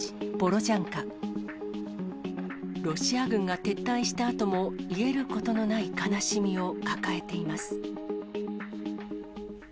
ロシア軍が撤退したあとも癒えることのない悲しみを抱えています。